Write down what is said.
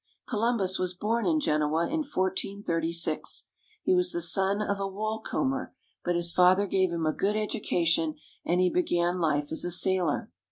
Columbus was born in Genoa in 1436. He was the son of a wool comber, but his father gave him a good education, and he began life as a sailor.